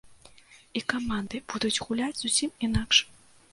І каманды будуць гуляць зусім інакш.